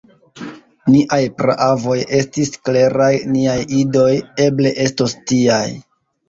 Niaj praavoj estis kleraj; niaj idoj eble estos tiaj.